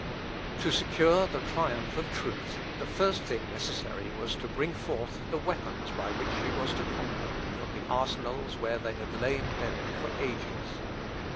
To secure the triumph of truth, the first thing necessary was to bring forth the weapons by which she was to conquer, from the arsenals where they had lain buried for ages.